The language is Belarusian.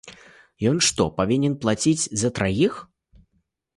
Ён што, павінен плаціць за траіх?